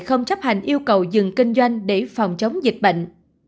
không chấp hành yêu cầu dừng kinh doanh để phòng chống dịch bệnh